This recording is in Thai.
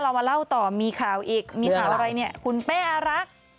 เรามาเล่าต่อมีข่าวอีกคุณเป๊อรัก